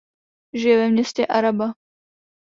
Žije ve městě Araba.